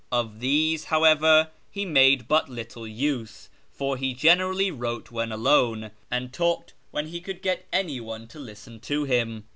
Of these, however, he made but little use, for he generally wrote when alone, and talked when he could get anyone to listen to him.